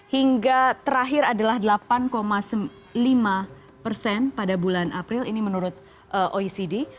hingga terakhir adalah delapan lima persen pada bulan april ini menurut oecd